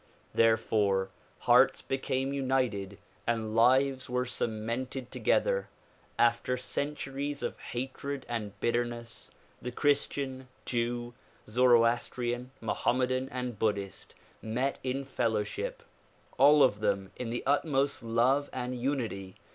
Therefore hearts became united and lives were cemented together. After centuries of hatred and bitterness the Christian, Jew, Zoroastrian, Mohammedan and Buddhist met in fellowship ; all of them in the utmost love and unity.